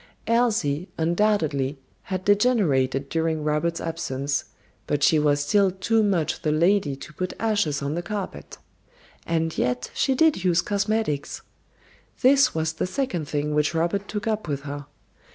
Elsie, undoubtedly, had degenerated during Robert's absence, but she was still too much the lady to put ashes on the carpet. And yet she did use cosmetics. This was the second thing which Robert took up with her.